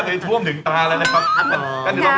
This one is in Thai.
เลือดลงไปเยอะมากเลย